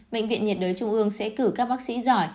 bệnh viện nhiệt đới trung ương sẽ cử các bác sĩ giỏi